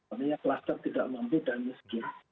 artinya kluster tidak mampu dan miskin